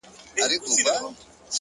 هره ورځ د اصلاح نوی باب دی